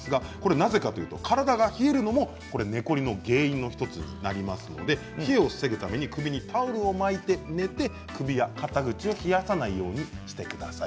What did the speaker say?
なぜかというと体が冷えるのも寝コリの原因の１つになりますので冷えを防ぐために首にタオルを巻いて寝て、首や肩口を冷やさないようにしてください。